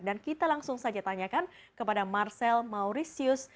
dan kita langsung saja tanyakan kepada marcel mauricius